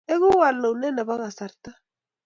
Egu walunet nebo kasarta